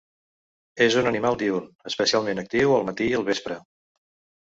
És un animal diürn, especialment actiu al matí i el vespre.